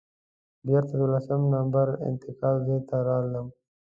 بېرته دولسم نمبر انتظار ځای ته راغلم.